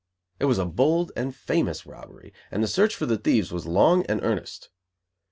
It was a bold and famous robbery, and the search for the thieves was long and earnest.